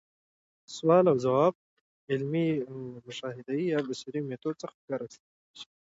سوال اوځواب، عملي او مشاهدي يا بصري ميتود څخه کار اخستلاي سي.